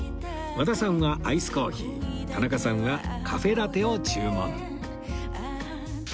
和田さんはアイスコーヒー田中さんはカフェ・ラテを注文